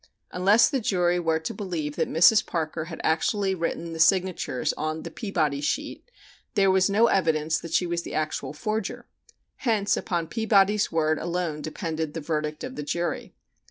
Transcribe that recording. Unless the jury were to believe that Mrs. Parker had actually written the signatures on "the Peabody sheet" there was no evidence that she was the actual forger; hence upon Peabody's word alone depended the verdict of the jury.